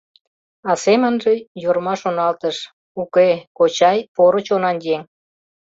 А семынже Йорма шоналтыш: «Уке, кочай — поро чонан еҥ.